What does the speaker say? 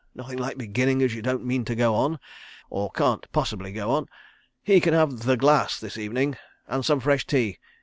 Nothing like beginning as you don't mean to go on—or can't possibly go on. ... He can have The Glass this evening. And some fresh tea.